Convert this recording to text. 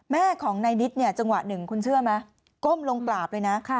แม่ของนายนิดเนี่ยจังหวะหนึ่งคุณเชื่อไหมก้มลงกราบเลยนะ